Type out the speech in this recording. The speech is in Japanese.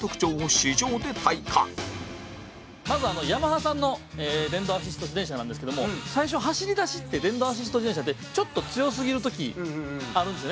水田：まず、ヤマハさんの電動アシスト自転車なんですけども最初、走り出しって電動アシスト自転車ってちょっと強すぎる時あるんですよね。